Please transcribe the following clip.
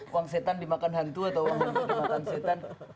uang setan dimakan hantu atau uang hantu dimakan setan